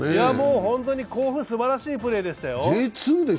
本当に甲府、すばらしいプレーでしたよ。